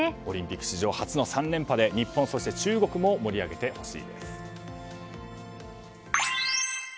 オリンピック史上初の３連覇で日本、そして中国も盛り上げてほしいです。